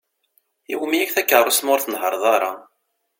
Iwumi-ak takeṛṛust ma ur tnehher-ḍ ara?